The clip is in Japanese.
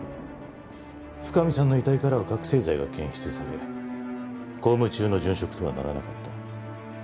深海さんの遺体からは覚醒剤が検出され公務中の殉職とはならなかった。